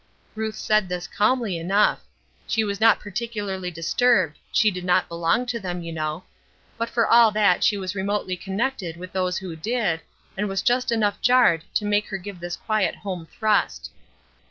Ruth said this calmly enough. She was not particularly disturbed; she did not belong to them, you know; but for all that she was remotely connected with those who did, and was just enough jarred to make her give this quiet home thrust.